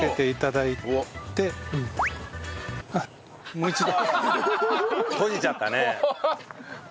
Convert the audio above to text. もう一度。